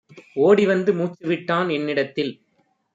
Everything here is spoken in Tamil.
ஓடிவந்து மூச்சு விட்டான் என்னிடத்தில்.